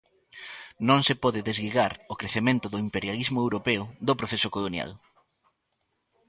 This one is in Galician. Non se pode desligar o crecemento do imperialismo europeo do proceso colonial.